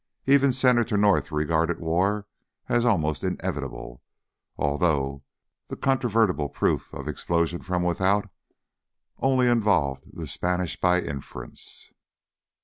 Even Senator North regarded war as almost inevitable, although the controvertible proof of explosion from without only involved the Spanish by inference.